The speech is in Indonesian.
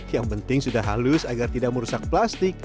yang penting sudah halus agar tidak merusak plastik